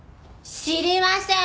知りません！